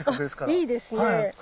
あいいですね。